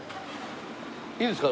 いいですか？